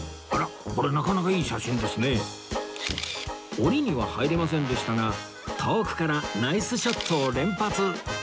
檻には入れませんでしたが遠くからナイスショットを連発